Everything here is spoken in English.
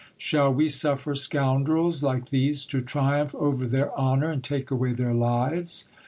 Shall ve suffer scoundrels like these to triumph over their honour and take away their lives?